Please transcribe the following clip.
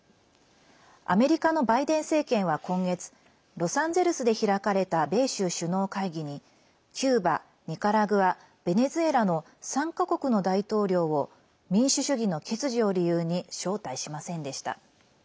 アメリカのバイデン政権は今月ロサンゼルスで開かれた米州首脳会議にキューバ、ニカラグアベネズエラの３か国の大統領を民主主義の欠如を理由に招待しませんでした。